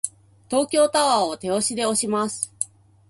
東京タワーを手押しで押します。